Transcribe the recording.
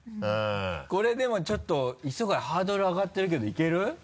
これでもちょっと磯貝ハードル上がってるけどいける？